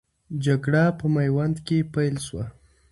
جګړه په میوند کې پیل سوه.